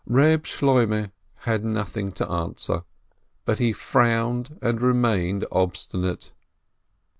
Eeb Shloimeh had nothing to answer, but he frowned and remained obstinate.